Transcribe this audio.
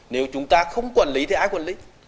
nếu chúng ta không quản lý thì ai quản lý